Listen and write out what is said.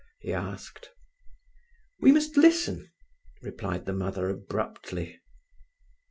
he asked. "We must listen," replied the mother abruptly.